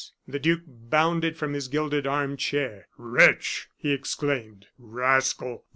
The duke bounded from his gilded arm chair. "Wretch!" he exclaimed, "rascal!